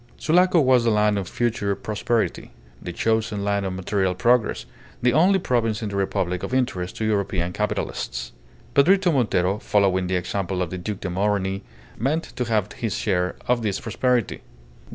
Sulaco was the land of future prosperity, the chosen land of material progress, the only province in the Republic of interest to European capitalists. Pedrito Montero, following the example of the Duc de Morny, meant to have his share of this prosperity.